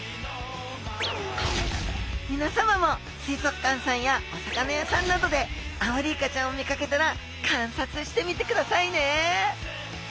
みなさまも水族館さんやお魚屋さんなどでアオリイカちゃんを見かけたら観察してみてくださいね！